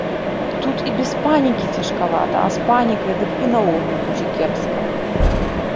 Тут і без панікі цяжкавата, а з панікай дык і наогул будзе кепска.